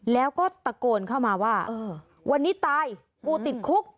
แล้วก็ตะโกนเข้ามาว่าวันนี้ตายกูติดคุก